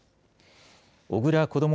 小倉こども